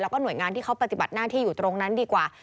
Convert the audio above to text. แล้วก็หน่วยงานที่เขาปฏิบัติหน้าที่อยู่ตรงนั้นดีกว่า